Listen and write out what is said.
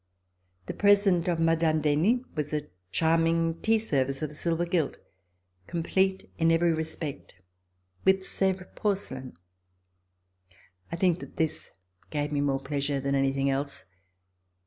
The present of Mme. d'Henin was a charming tea service of silver gilt, complete in every respect, with Sevres porcelain. I think that this gave me more pleasure than anything else.